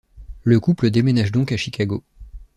Le couple déménage donc à Chicago.